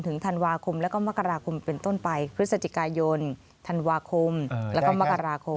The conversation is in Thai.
ถึงธันวาคมแล้วก็มกราคมเป็นต้นไปพฤศจิกายนธันวาคมแล้วก็มกราคม